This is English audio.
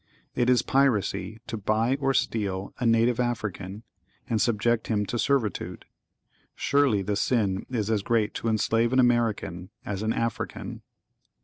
It is piracy to buy or steal a native African, and subject him to servitude. Surely hte sin is as great to enslave an American as an African.